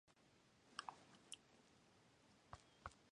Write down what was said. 春風が頬をなでて心が軽くなる